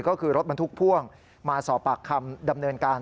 ก็คือรถบรรทุกพ่วงมาสอบปากคำดำเนินการ